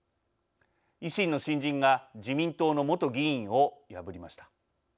維新の新人が自民党の元議員を破りました。